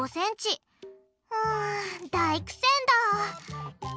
うん大苦戦だ！